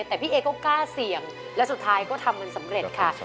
แต่พี่เอก็กล้าเสี่ยงและสุดท้ายก็ทำกันสำเร็จค่ะ